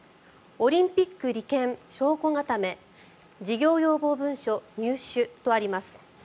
オリンピック利権、証拠固め事業要望文書入手とあります。